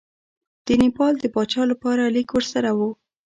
د نیپال د پاچا لپاره لیک ورسره وو.